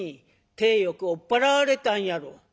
体よく追っ払われたんやろ」。